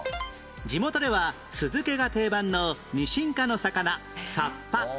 地元では酢漬けが定番のニシン科の魚サッパ